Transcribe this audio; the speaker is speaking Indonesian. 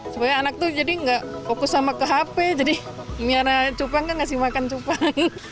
supaya anak tuh jadi nggak fokus sama ke hp jadi miara cupang kan ngasih makan cupang